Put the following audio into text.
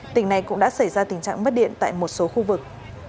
tỉnh này cũng đã xảy ra tình trạng mất điện tại một số khu vực